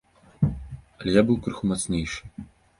Але я быў крыху мацнейшы.